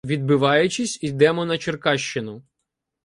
Відбиваючись, йдемо на Черкащину.